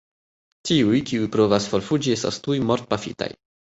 Tiuj, kiuj provas forfuĝi estas tuj mortpafitaj.